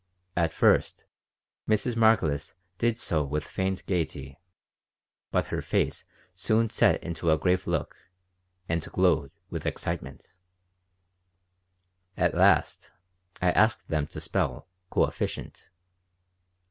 At first Mrs. Margolis did so with feigned gaiety, but her face soon set into a grave look and glowed with excitement At last I asked them to spell "coefficient."